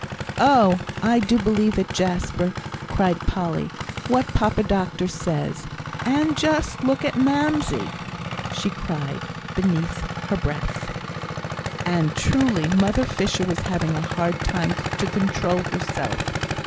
"Oh, I do believe it, Jasper," cried Polly, "what Papa Doctor says. And just look at Mamsie!" she cried, beneath her breath. And truly Mother Fisher was having a hard time to control herself.